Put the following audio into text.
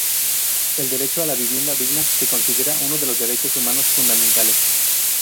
El derecho a la vivienda digna se considera uno de los derechos humanos fundamentales.